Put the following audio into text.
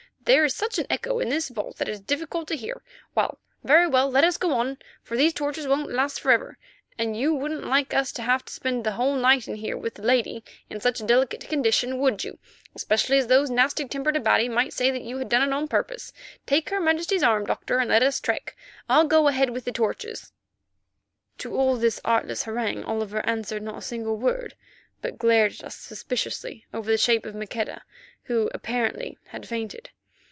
There is such an echo in this vault that it is difficult to hear—very well, let us go on, for these torches won't last for ever, and you wouldn't like us to have to spend a whole night here with the lady in such a delicate condition, would you, especially as those nasty tempered Abati might say that you had done it on purpose? Take her Majesty's arm, Doctor, and let us trek. I'll go ahead with the torches." To all this artless harangue Oliver answered not a single word, but glared at us suspiciously over the shape of Maqueda, who apparently had fainted.